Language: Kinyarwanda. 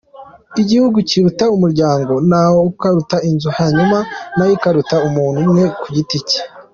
Igihugu kiruta umuryango, nawo ukaruta inzu hanyuma nayo ikaruta umuntu umwe kugiti ke,